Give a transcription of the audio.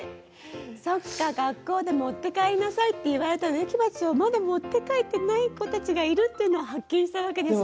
そっか学校で持って帰りなさいって言われた植木鉢をまだ持って帰ってない子たちがいるってのを発見したわけですね。